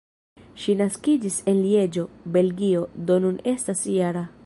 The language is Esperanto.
Ŝi naskiĝis en Lieĝo, Belgio, do nun estas -jara.